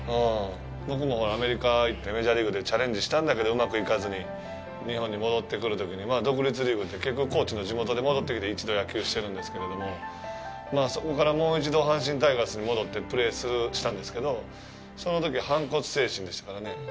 僕もアメリカに行ってメジャーリーグでチャレンジしたんだけど、うまくいかずに日本に戻ってくるときに、独立リーグって高知の地元に戻ってきて、一度、野球をしているんですけれども、そこからもう一度阪神タイガースに戻ってプレーしたんですけど、そのときは反骨精神でしたからね。